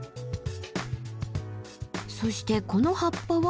そしてこの葉っぱは？